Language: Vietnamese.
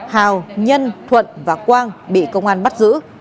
hào nhân thuận và quang bị công an bắt giữ